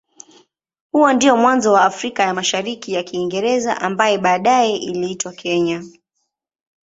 Huo ndio mwanzo wa Afrika ya Mashariki ya Kiingereza ambaye baadaye iliitwa Kenya.